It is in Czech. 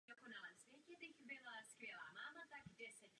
Zastupoval volební obvod Vidnava.